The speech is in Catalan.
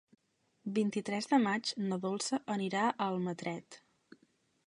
El vint-i-tres de maig na Dolça anirà a Almatret.